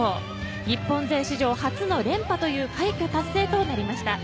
日本勢史上初の連覇という快挙達成となりました。